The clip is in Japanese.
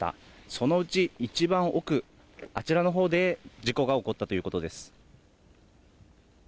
そのうち一番奥、あちらのほうで事故が起こったということです。